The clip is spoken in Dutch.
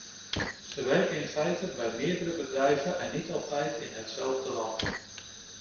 Ze werken in feite bij meerdere bedrijven en niet altijd in hetzelfde land.